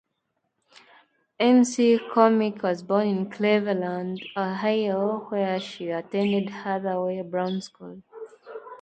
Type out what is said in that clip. McCormick was born in Cleveland, Ohio where she attended Hathaway Brown School.